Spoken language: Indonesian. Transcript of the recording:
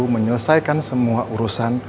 menyelesaikan semua urusan